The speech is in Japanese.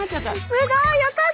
すごい。よかった。